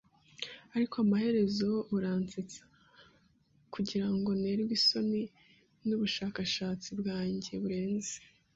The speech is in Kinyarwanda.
Ariko amaherezo uransetsa, kugirango nterwe isoni nubushakashatsi bwanjye burenze